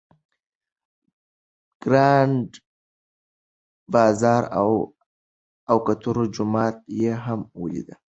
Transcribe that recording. ګرانډ بازار او کوترو جومات یې هم ولیدل.